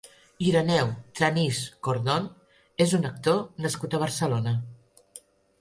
Ireneu Tranis Cordón és un actor nascut a Barcelona.